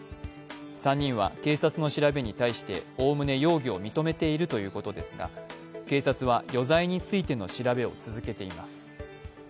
３人は警察の調べに対しておおむね容疑を認めているということですが、警察は余罪についての調べを続けています。